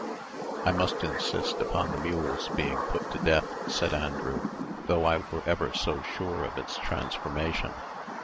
"I must insist upon the mule's being put to death," said Andrew, "though I were ever so sure of its transformation.